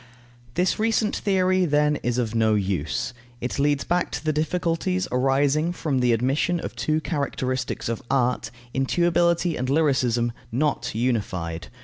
This recent theory, then, is of no use. It leads back to the difficulties arising from the admission of two characteristics of art, intuibility and lyricism, not unified.